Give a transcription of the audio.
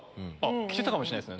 着てたかもしんないっすね。